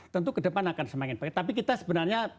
tentu ke depan akan semakin baik tapi kita sebenarnya